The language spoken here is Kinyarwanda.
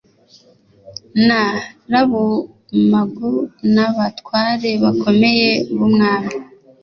Na rabumagu n abatware bakomeye b umwami